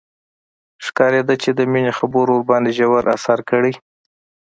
ښکارېده چې د مينې خبرو ورباندې ژور اثر کړی.